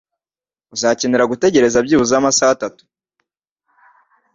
Uzakenera gutegereza byibuze amasaha atatu.